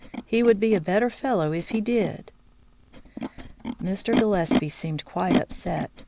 He would be a better fellow if he did." Mr. Gillespie seemed quite upset.